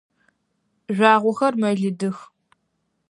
Жъуагъохэр мэлыдых.